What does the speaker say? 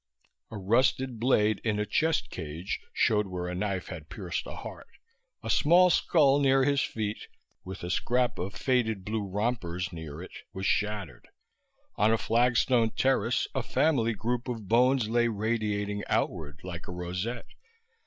A rusted blade in a chest cage showed where a knife had pierced a heart; a small skull near his feet (with a scrap of faded blue rompers near it) was shattered. On a flagstone terrace a family group of bones lay radiating outward, like a rosette.